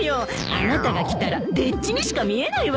あなたが着たら丁稚にしか見えないわよ。